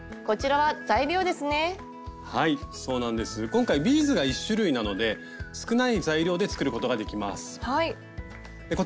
今回ビーズが１種類なので少ない材料で作ることができます。